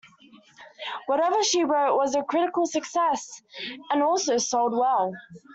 Whatever she wrote was a critical success and also sold well.